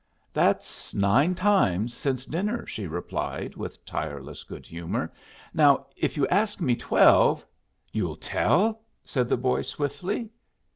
"That's nine times since dinner," she replied, with tireless good humor. "Now if you ask me twelve " "You'll tell?" said the boy, swiftly.